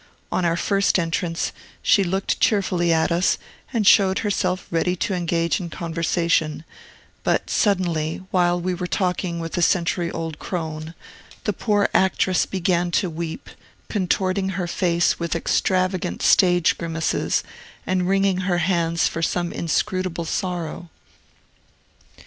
On our first entrance, she looked cheerfully at us, and showed herself ready to engage in conversation; but suddenly, while we were talking with the century old crone, the poor actress began to weep, contorting her face with extravagant stage grimaces, and wringing her hands for some inscrutable sorrow.